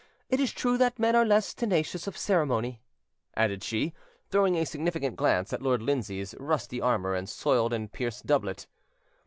It is true that men are less tenacious of ceremony," added she, throwing a significant glance at Lord Lindsay's rusty armour and soiled and pierced doublet.